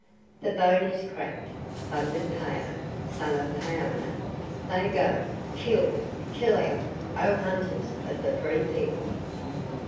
"The bone is cracked!" thundered Phao, son of Phaona. "They go! Kill, kill out, O hunters of the Free People!"